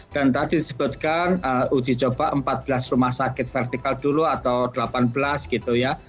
dan tadi disebutkan uji coba empat belas rumah sakit vertikal dulu atau delapan belas gitu ya